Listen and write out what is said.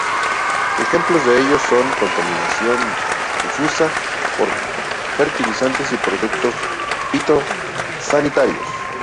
Ejemplos de ello son la contaminación difusa por fertilizantes y productos fitosanitarios.